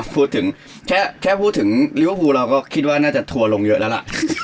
พูดถึงแค่พูดถึงลิเวอร์พูลเราก็คิดว่าน่าจะทัวร์ลงเยอะแล้วล่ะ